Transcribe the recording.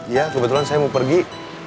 ya kebetulan saya mau pergi